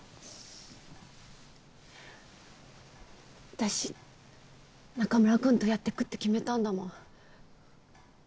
私中村くんとやってくって決めたんだもん。